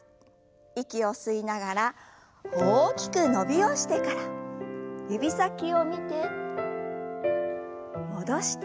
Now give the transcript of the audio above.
息を吸いながら大きく伸びをしてから指先を見て戻して。